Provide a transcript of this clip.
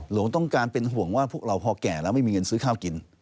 หลวงต้องการเป็นห่วงว่าพวกเราพอแก่แล้วไม่มีเงินซื้อข้าวกิน